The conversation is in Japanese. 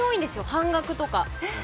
半額とか。